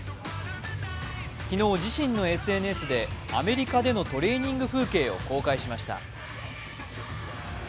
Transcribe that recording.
昨日、自身のＳＮＳでアメリカでのトレーニング風景を公開しました。